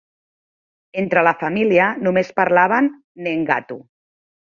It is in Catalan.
Entre la família, només parlaven nheengatu.